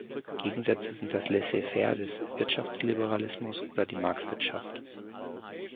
Gegensätze sind das Laissez-faire des Wirtschaftsliberalismus oder die Marktwirtschaft.